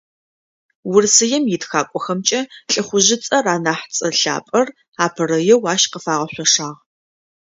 Урысыем итхакӀохэмкӏэ ЛӀыхъужъыцӏэр, анахь цӏэ лъапӏэр, апэрэеу ащ къыфагъэшъошагъ.